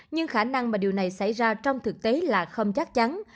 nhưng khả năng mà điều này xảy ra trong thực tế là không chắc chắn